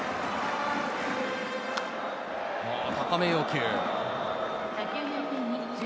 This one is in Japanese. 高めを要求。